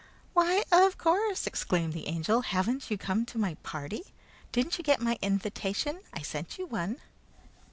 "Why of course!" exclaimed the Angel. "Haven't you come to my party? Didn't you get my invitation? I sent you one."